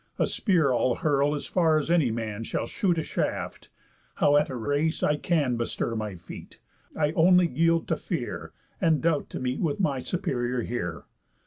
A spear I'll hurl as far as any man Shall shoot a shaft. How at a race I can Bestir my feet, I only yield to fear, And doubt to meet with my superior here.